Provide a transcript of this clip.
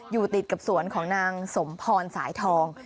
อยู่ติดกับสวนของนางสมพรสายทอง